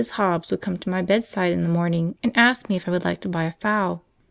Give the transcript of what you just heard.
Hobbs would come to my bedside in the morning and ask me if I would like to buy a fowl.